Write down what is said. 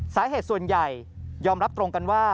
สาเหตุส่วนใหญ่ยอมรับตรงกันว่า